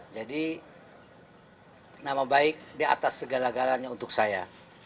jadi nama baik di atas segala galanya untuk saya